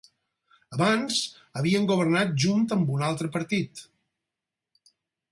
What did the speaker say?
Abans havien governat junt amb un altre partit.